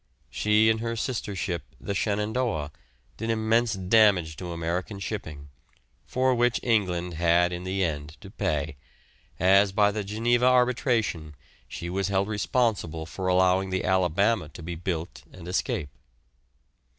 She and her sister ship, the "Shenandoah," did immense damage to American shipping, for which England had in the end to pay, as by the Geneva arbitration she was held responsible for allowing the "Alabama" to be built and escape.